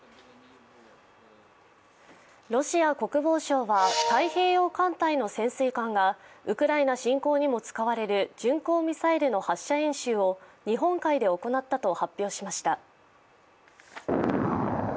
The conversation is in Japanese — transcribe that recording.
ロシア国防省は太平洋艦隊の潜水艦がウクライナ侵攻にも使われる巡航ミサイルの発射演習を日本海で行ったと発表しました。